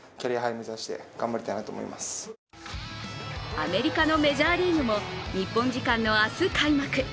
アメリカのメジャーリーグも日本時間の明日、開幕。